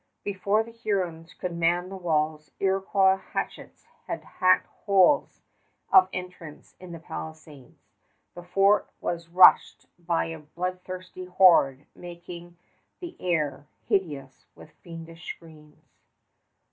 Before the Hurons could man the walls, Iroquois hatchets had hacked holes of entrance in the palisades. The fort was rushed by a bloodthirsty horde making the air hideous with fiendish screams.